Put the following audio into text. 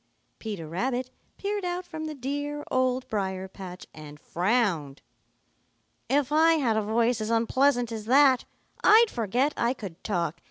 Peter Rabbit peered out from the dear Old Briar patch and frowned. "If I had a voice as unpleasant as that, I'd forget I could talk.